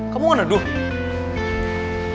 kamu mana dulu